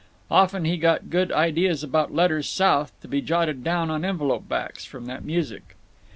… Often he got good ideas about letters South, to be jotted down on envelope backs, from that music.